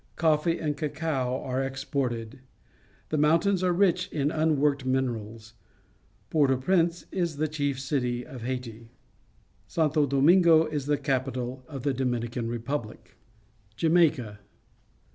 Coffee and cacao are exported. The mountains are rich in un worked minerals. Port au Prince is the chief city of Haiti. A Coffee drying Yard, Jamaica Santo Domingo is the capital of the Domini can Republic. Jamaica.